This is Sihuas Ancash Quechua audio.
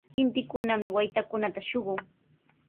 Kintikunami waytakunata shuqun.